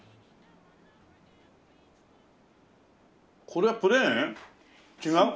これはプレーン？